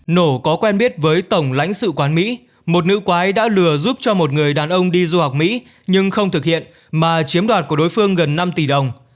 nổ có quen biết với tổng lãnh sự quán mỹ một nữ quái đã lừa giúp cho một người đàn ông đi du học mỹ nhưng không thực hiện mà chiếm đoạt của đối phương gần năm tỷ đồng